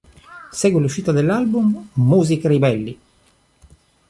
Segue l'uscita dell'album "Musiche ribelli".